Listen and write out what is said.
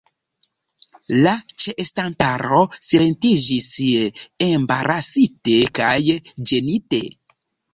La ĉeestantaro silentiĝis, embarasite kaj ĝenite.